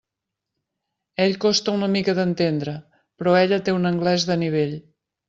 Ell costa una mica d'entendre, però ella té un anglès de nivell.